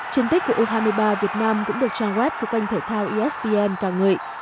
trên tích của u hai mươi ba việt nam cũng được trang web của kênh thể thao espn ca ngợi